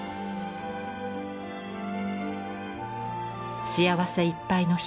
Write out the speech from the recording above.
幸せいっぱいの日々。